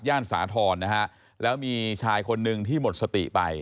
สาธรณ์นะฮะแล้วมีชายคนหนึ่งที่หมดสติไป